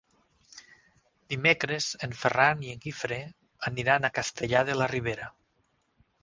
Dimecres en Ferran i en Guifré aniran a Castellar de la Ribera.